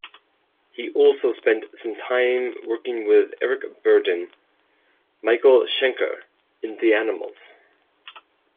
He also spent some time working with Eric Burdon, Michael Schenker and the Animals.